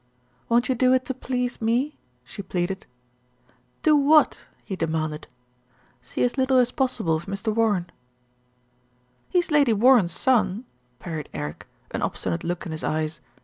"Won't you do it to please me?" she pleaded. "Do what?" he demanded. "See as little as possible of Mr. Warren." "He's Lady Warren's son," parried Eric, an ob stinate look in his eyes.